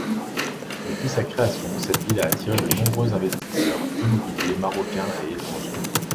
Depuis sa création cette ville a attiré de nombreux investisseurs immobiliers marocains et étrangers.